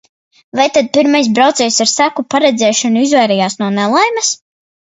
Vai tad pirmais braucējs ar seku paredzēšanu izvairījās no nelaimes?